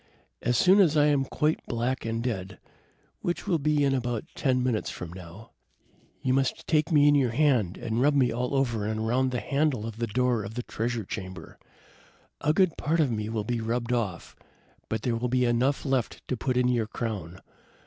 As soon as I am quite black and dead, which will be in about ten minutes from now, you must take me in your hand and rub me all over and around the handle of the door of the treasure chamber. A good part of me will be rubbed off, but there will be enough left to put in your crown.